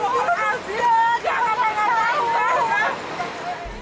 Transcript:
jangan jangan jangan